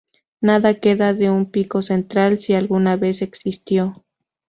Nada queda de un pico central, si alguna vez existió.